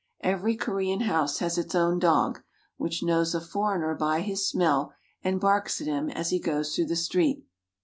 Every Korean house has its own dog, which knows a foreigner by his smell and barks at him as he goes through the street.